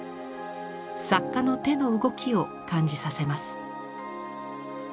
作家の手の動きを感じさせます。